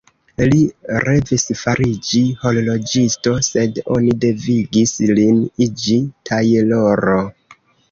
Li revis fariĝi horloĝisto, sed oni devigis lin iĝi tajloro.